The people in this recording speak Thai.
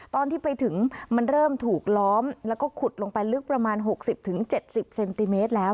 ตอนที่ไปถึงมันเริ่มถูกล้อมแล้วก็ขุดลงไปลึกประมาณ๖๐๗๐เซนติเมตรแล้ว